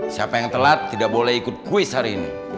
siapa yang telat tidak boleh ikut kuis hari ini